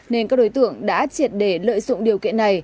nên các đối tượng đã triệt để lợi dụng điều kiện này